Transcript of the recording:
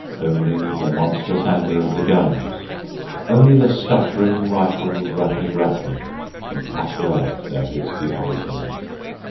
Only the monstrous anger of the guns. Only the stuttering rifles' rapid rattle Can patter out their hasty orisons.